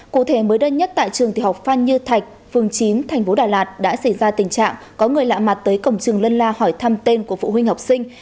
cụ thể mới đơn nhất tại trường tiểu học phan như thạch phường chín thành phố đà lạt đã xảy ra tình trạng có người lạ mặt tới cổng trường lân la hỏi thăm tên của phụ huynh học sinh